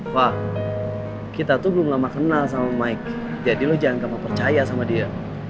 wah kita tuh belum lama kenal sama mike jadi lo jangan kamu percaya sama dia